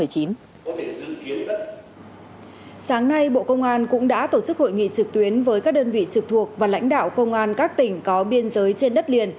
sáng nay bộ công an cũng đã tổ chức hội nghị trực tuyến với các đơn vị trực thuộc và lãnh đạo công an các tỉnh có biên giới trên đất liền